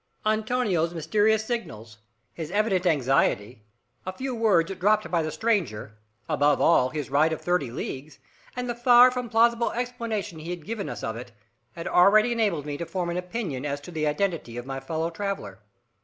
Antonio's mysterious signals, his evident anxiety, a few words dropped by the stranger, above all, his ride of thirty leagues, and the far from plausible explanation he had given us of it, had already enabled me to form an opinion as to the identity of my fellow traveller.